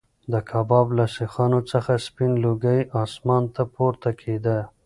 د کباب له سیخانو څخه سپین لوګی اسمان ته پورته کېده.